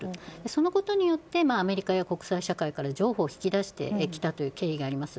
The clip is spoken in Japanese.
そのことによってアメリカや国際社会から譲歩を引き出してきたという経緯があります。